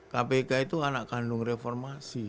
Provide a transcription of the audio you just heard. kpk itu anak kandung reformasi